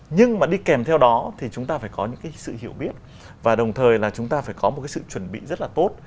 nhưng mà đi kèm theo đó thì chúng ta phải có những cái sự hiểu biết và đồng thời là chúng ta phải có một cái sự chuẩn bị rất là tốt